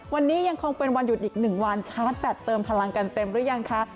วันนี้ยังคงเป็นวันหยุดอีก๑วันชาร์จแบตเติมพลังกันเต็มหรือยังคะ